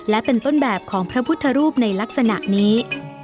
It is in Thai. และเป็นต้นแบบของพระพุทธรูปในลักษณะนี้